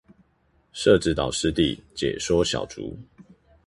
社子島濕地解說小築